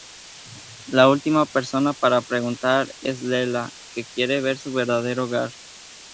La última persona para preguntar es Leela, que quiere ver su verdadero hogar.